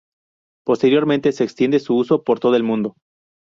Posteriormente se extiende su uso por todo el mundo.